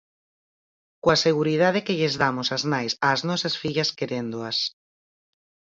Coa seguridade que lles damos as nais ás nosas fillas queréndoas.